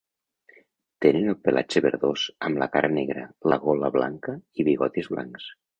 Tenen el pelatge verdós amb la cara negra, la gola blanca i bigotis blancs.